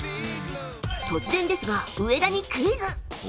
突然ですが、上田にクイズ！